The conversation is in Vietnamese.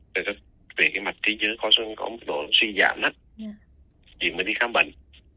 vì cái mặt trí nhớ có một độ suy giảm chị mới đi khám bệnh